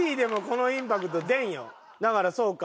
だからそうか。